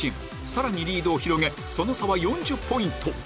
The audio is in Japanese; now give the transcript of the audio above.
さらにリードを広げその差は４０ポイント